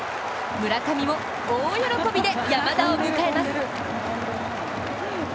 村上も大喜びで山田を迎えます。